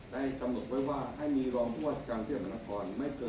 ได้กำหนดไว้ว่าให้มีรองคู่ว่ารัฐการเที่ยวบรรณครบันตรี